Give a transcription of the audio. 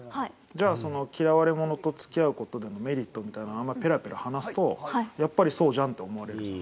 じゃあ嫌われ者と付き合う事でのメリットみたいなのあんまペラペラ話すとやっぱりそうじゃんって思われるじゃん。